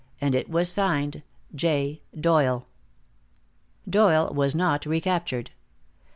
And it was signed: "J. Doyle." Doyle was not recaptured.